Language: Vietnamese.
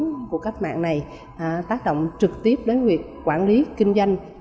cuộc cách mạng này tác động trực tiếp đến việc quản lý kinh doanh